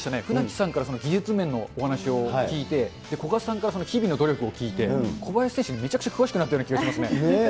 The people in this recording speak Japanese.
船木さんから技術面のお話を聞いて、古賀さんから日々の努力を聞いて、小林選手、めちゃくちゃ詳しくなったような気がしますね。